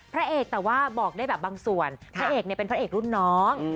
พระเอกแต่ว่าบอกได้แบบบางส่วนพระเอกเนี่ยเป็นพระเอกรุ่นน้อง